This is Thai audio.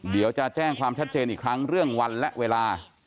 เดี๋ยวจะแจ้งความชัดเจนอีกครั้งเรื่องวันและเวลา